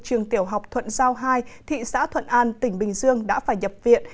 trường tiểu học thuận giao hai thị xã thuận an tỉnh bình dương đã phải nhập viện